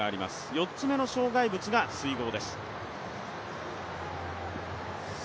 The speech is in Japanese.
４つ目の障害物が水濠です。